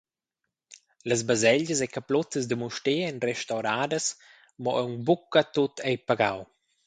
Las baselgias e capluttas da Mustér ein restauradas, mo aunc buca tut ei pagau.